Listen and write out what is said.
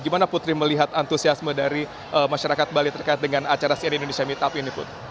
gimana putri melihat antusiasme dari masyarakat bali terkait dengan acara cnn indonesia meetup ini put